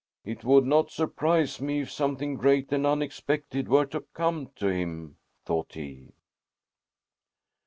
"It would not surprise me if something great and unexpected were to come to him," thought he.